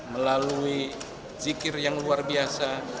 melalui zikir yang luar biasa